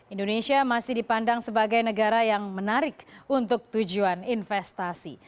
indonesia masih dipandang sebagai negara yang menarik untuk tujuan investasi